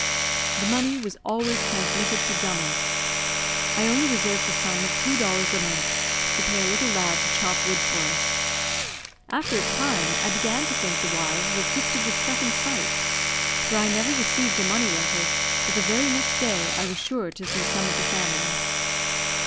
The money was always transmitted to Dummer. I only reserved the sum of two dollars a month, to pay a little lad to chop wood for us. After a time, I began to think the Y y's were gifted with secondsight; for I never received a money letter, but the very next day I was sure to see some of the family.